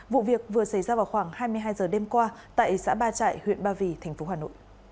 vụ việc vừa xảy ra vào khoảng hai mươi hai h đêm qua tại xã ba trại huyện ba vì tp hà nội